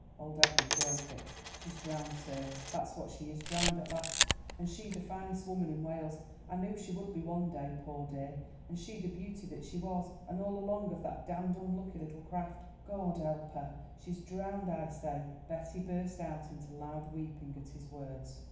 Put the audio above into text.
Old Edward broke it. "She's drowned, sir—that's what she is—drowned at last; and she the finest woman in Wales. I knewed she would be one day, poor dear! and she the beauty that she was; and all along of that damned unlucky little craft. Goad help her! She's drowned, I say——" Betty burst out into loud weeping at his words.